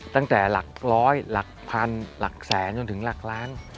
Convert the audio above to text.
ตั้งแต่หลักร้อยหลักพันหลักแสนจนถึงหลักล้าน